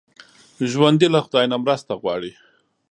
ژوندي له خدای نه مرسته غواړي